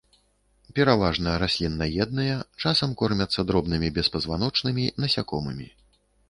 Пераважна расліннаедныя, часам кормяцца дробнымі беспазваночнымі, насякомымі.